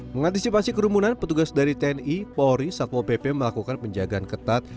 mengantisipasi kerumunan petugas dari tni polri satpol pp melakukan penjagaan ketat